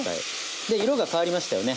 色が変わりましたよね。